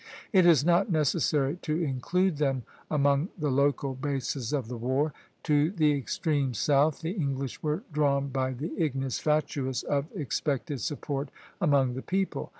It is not necessary to include them among the local bases of the war. To the extreme south the English were drawn by the ignis fatuus of expected support among the people.